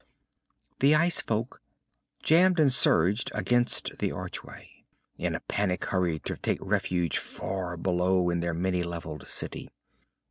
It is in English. _ The ice folk jammed and surged against the archway, in a panic hurry to take refuge far below in their many levelled city.